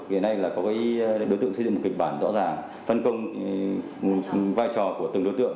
hiện nay là có đối tượng xây dựng một kịch bản rõ ràng phân công vai trò của từng đối tượng